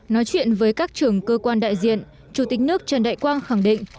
nói chuyện với các trưởng cơ quan đại diện chủ tịch nước trần đại quang khẳng định